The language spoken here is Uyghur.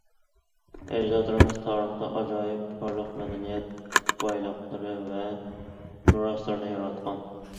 ئەجدادلىرىمىز تارىختا ئاجايىپ پارلاق مەدەنىيەت بايلىقلىرى ۋە مىراسلىرىنى ياراتقان.